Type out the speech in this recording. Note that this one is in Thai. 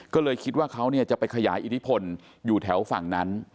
ก็เลยคิดว่าเขาจะไปขยายอิทธิพลอยู่แถวฝั่งนั้น